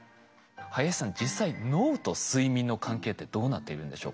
林さん実際脳と睡眠の関係ってどうなっているんでしょうか？